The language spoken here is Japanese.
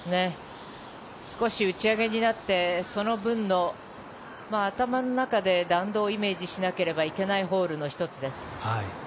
少し打ち上げになってその分の頭の中で弾道をイメージしなければならないホールの１つです。